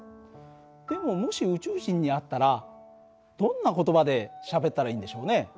でももし宇宙人に会ったらどんな言葉でしゃべったらいいんでしょうね。